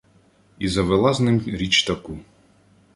І завела з ним річ таку: